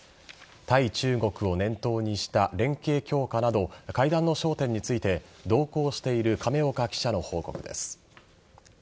対中国を念頭にした連携強化など会談の焦点について同行している亀岡記者の報告です。